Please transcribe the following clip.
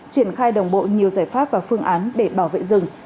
triển khai đồng bộ nhiều giải pháp và phương án để bảo vệ rừng